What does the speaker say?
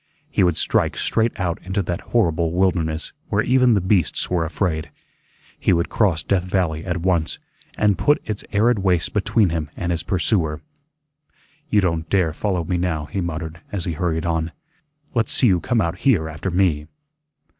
He would strike straight out into that horrible wilderness where even the beasts were afraid. He would cross Death Valley at once and put its arid wastes between him and his pursuer. "You don't dare follow me now," he muttered, as he hurried on. "Let's see you come out HERE after me."